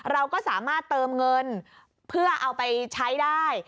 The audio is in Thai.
เราก็สามารถเติมเงินเพื่อเอาไปใช้ได้